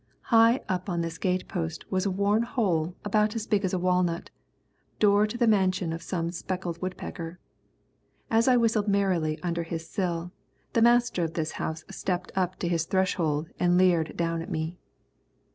High up on this gate post was a worn hole about as big as a walnut, door to the mansion of some speckled woodpecker. As I whistled merrily under his sill, the master of this house stepped up to his threshold and leered down at me.